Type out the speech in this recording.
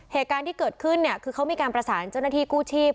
เหตุการณ์ที่เกิดขึ้นเนี่ยคือเขามีการประสานเจ้าหน้าที่กู้ชีพ